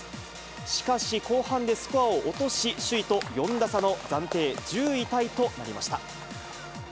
しかし後半でスコアを落とし、首位と４打差の暫定１０位タイとなりました。